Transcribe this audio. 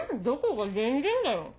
どこが全然だよ。